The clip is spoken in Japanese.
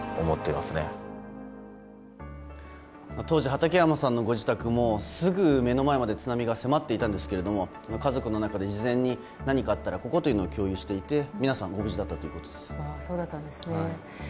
当時、畠山さんのご自宅もすぐ目の前まで津波が迫っていたんですけれども家族の中で事前に何かあったらここということを共有していて、皆さんご無事だったということです。